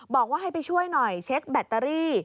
บอกว่าให้ไปช่วยหน่อยเช็คแบตเตอรี่